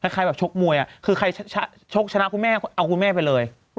ใครแบบชกมวยคือใครชกชนะคุณแม่เอาคุณแม่ไปเลย